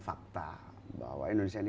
fakta bahwa indonesia ini